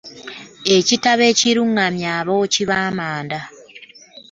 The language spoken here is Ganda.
Ekitabo Ekirungamya abookyi b’amanda